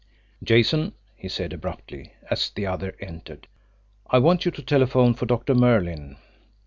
"Jason," he said abruptly, as the other entered, "I want you to telephone for Doctor Merlin."